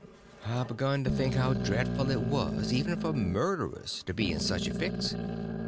I begun to think how dreadful it was, even for murderers, to be in such a fix.